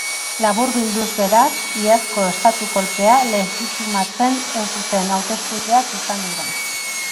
Laburbilduz beraz, iazko estatu kolpea legitimatzen ez duten hauteskundeak izan dira.